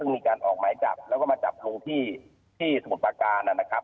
มีการออกหมายจับแล้วก็มาจับลุงที่สมุทรประการนะครับ